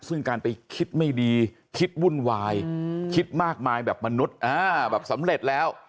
ซึ่งการไปคิดไม่ดีคิดวุ่นวายคิดมากมายแบบมนุษย์แบบสำเร็จแล้ว